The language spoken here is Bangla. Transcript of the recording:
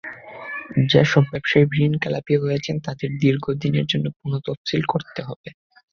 যেসব ব্যবসায়ী ঋণখেলাপি হয়েছেন, তাঁদেরটি দীর্ঘদিনের জন্য পুনঃ তফসিল করতে হবে।